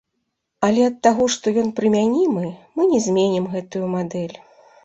Але ад таго, што ён прымянімы, мы не зменім гэтую мадэль.